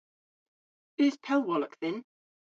Eus pellwolok dhyn?